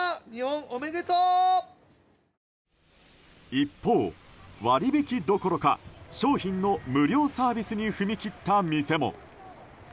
一方、割引どころか商品の無料サービスに踏み切った店も。